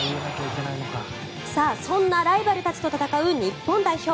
そんなライバルたちと戦う日本代表。